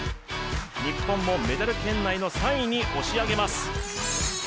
日本をメダル圏内の３位に押し上げます。